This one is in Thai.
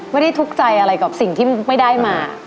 ไม่ได้ทุกข์ใจอะไรกับสิ่งที่ไม่ได้มา